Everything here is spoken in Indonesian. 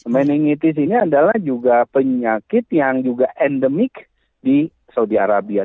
meningitis ini adalah juga penyakit yang juga endemik di saudi arabia